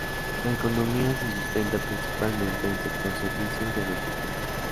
La economía se sustenta principalmente en sector servicios y agricultura.